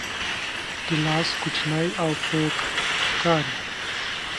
ګیلاس کوچنی او خوږ ښکاري.